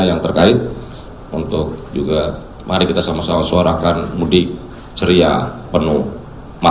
yang terkait untuk juga mari kita sama sama suarakan mudik ceria penuh